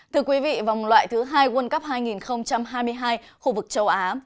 thưa quý vị vòng loại thứ hai world cup hai nghìn hai mươi hai khu vực châu á